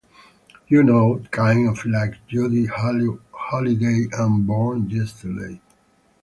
You know, kind of like Judy Holliday and "Born Yesterday".